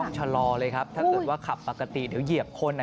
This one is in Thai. ชะลอเลยครับถ้าเกิดว่าขับปกติเดี๋ยวเหยียบคน